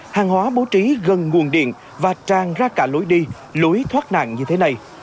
hàng hóa bố trí gần nguồn điện và tràn ra cả lối đi lối thoát nạn như thế này